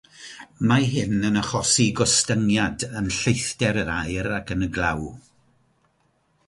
Mae hyn yn achosi gostyngiad yn lleithder yr aer ac yn y glaw.